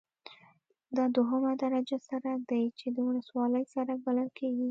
دا دوهمه درجه سرک دی چې د ولسوالۍ سرک بلل کیږي